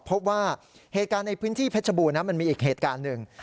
พบว่าเหตุการณ์ในพื้นที่เพชรบูรณมันมีอีกเหตุการณ์หนึ่ง